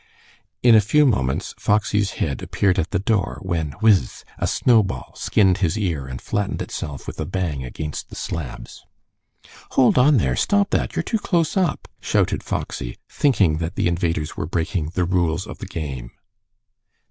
In a few moments Foxy's head appeared at the door, when, whiz! a snowball skinned his ear and flattened itself with a bang against the slabs. "Hold on there! Stop that! You're too close up," shouted Foxy, thinking that the invaders were breaking the rules of the game.